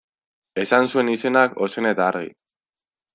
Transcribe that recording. Esan zuen izenak ozen eta argi.